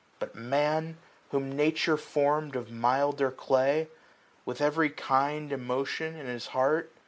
But Man, whom Nature form'd of milder clay. With every kind emotion in his heart.